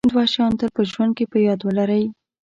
دوه شیان تل په ژوند کې په یاد ولرئ.